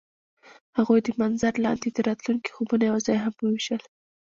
هغوی د منظر لاندې د راتلونکي خوبونه یوځای هم وویشل.